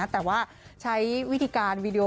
แต่ว่าใช้วิธีการวีดีโอ